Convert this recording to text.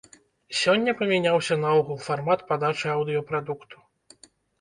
Сёння памяняўся наогул фармат падачы аўдыёпрадукту.